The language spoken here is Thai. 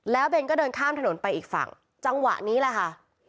เบนก็เดินข้ามถนนไปอีกฝั่งจังหวะนี้แหละค่ะ